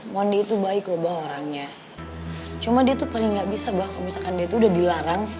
mondi itu baik lo bawa orangnya cuma dia tuh paling nggak bisa bahwa kalau misalkan dia tuh udah dilarang